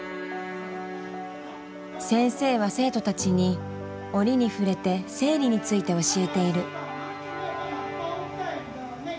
先生は生徒たちに折に触れて生理について教えている。